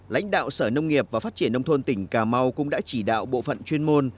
lãnh đạo sở nông nghiệp và phát triển nông thôn tỉnh cà mau cũng đã chỉ đạo bộ phận chuyên môn